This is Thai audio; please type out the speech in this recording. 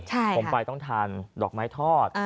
ผมไปต้องทานดอกไม้ทอด